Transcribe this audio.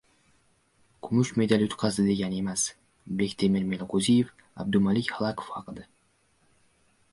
«Kumush medal yutqazdi degani emas» - Bektemir Meliqo‘ziyev Abdumalik Xalakov haqida